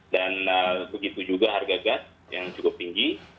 dan begitu juga harga gas yang cukup tinggi